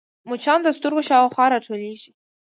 مچان د سترګو شاوخوا راټولېږي